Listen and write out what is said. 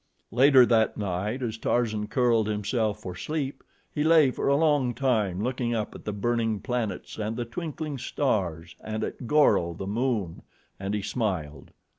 Later that night, as Tarzan curled himself for sleep, he lay for a long time looking up at the burning planets and the twinkling stars and at Goro the moon, and he smiled.